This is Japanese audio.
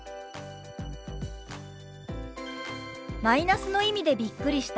「マイナスの意味でびっくりした」。